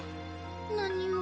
何も。